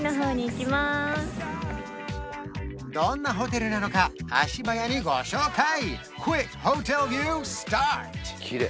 どんなホテルなのか足早にご紹介！